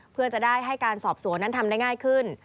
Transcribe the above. เพื่อจะได้ให้การสอบสวนนั้นทำได้ง่ายขึ้น